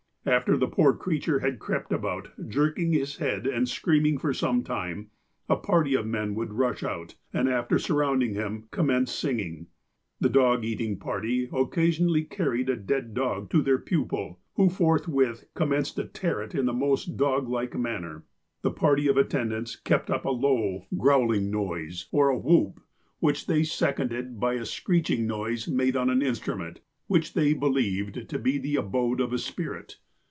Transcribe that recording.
After the poor creature had crept about, jerking his head and screaming for some time, a party of men would rush out, and, after surrounding him, commence singing. The dog eating party occasionally carried a dead dog to their pupil, who forthwith commenced to tear it in the most dog like manner. The party of attendants kept up a low, growling 90 THE APOSTLE OF ALASKA noise, or a 'whoop,' which they seconded by a screeching noise made on an instrument, which they believed to be the abode of a spirit.